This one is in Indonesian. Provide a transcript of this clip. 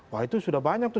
wah itu sudah banyak tuh